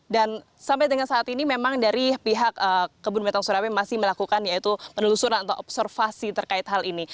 dan sampai dengan saat ini memang dari pihak kebun binatang surabaya masih melakukan penelusuran atau observasi terkait hal ini